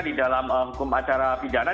di dalam hukum acara pidana